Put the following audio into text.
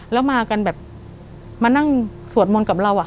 แล้วมากันแบบมานั่งสวดมนต์กับเรา